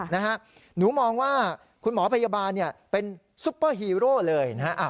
นะฮะหนูมองว่าคุณหมอพยาบาลเป็นซุปเปอร์ฮีโร่เลยนะฮะ